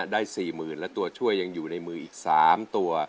๔๐๐๐และตัวช่วยยังอยู่ในมืออีก๓ตัว